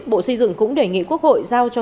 bộ xây dựng cũng đề nghị quốc hội giao cho